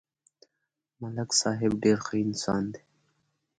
ملک صاحب ډېر ښه انسان دی